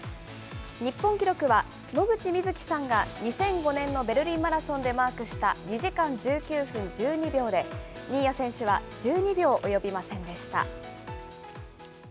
日本記録は、野口みずきさんが２００５年のベルリンマラソンでマークした２時間１９分１２秒で、新谷選手は１２秒及びませんでした。